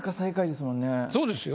そうですよ。